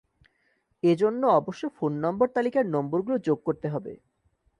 এ জন্য অবশ্য phone number তালিকার নম্বরগুলো যোগ করতে হবে।